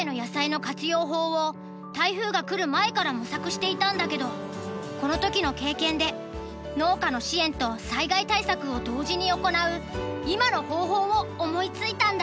法を台風が来る前から模索していたんだけどこの時の経験で農家の支援と災害対策を同時に行う今の方法を思いついたんだ。